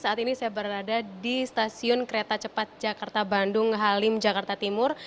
saat ini saya berada di stasiun kereta cepat jakarta bandung halim jakarta timur